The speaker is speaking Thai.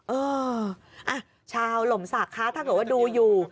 เออชาวหล่มศักดิ์คะถ้าเกิดว่าดูอยู่